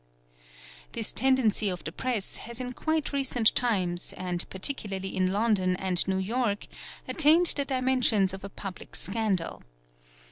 This tendency of the press has in quite recent times, and parti cularly in London and New York, attained the dimensions of a public scandal.